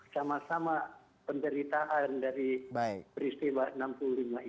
sama sama penderitaan dari peristiwa seribu sembilan ratus enam puluh lima itu